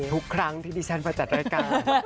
ทุกครั้งที่ดิฉันมาจัดรายการ